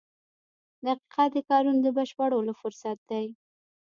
• دقیقه د کارونو د بشپړولو فرصت دی.